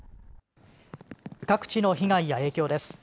各地の被害や影響です。